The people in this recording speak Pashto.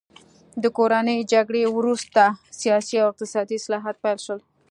د کورنۍ جګړې وروسته سیاسي او اقتصادي اصلاحات پیل شول.